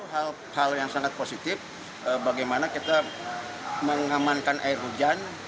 hal hal yang sangat positif bagaimana kita mengamankan air hujan